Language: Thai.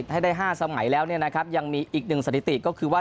ให้ได้๕สมัยแล้วยังมีอีกหนึ่งสถิติก็คือว่า